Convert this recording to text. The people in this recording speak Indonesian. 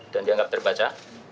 dan dianggap terbaca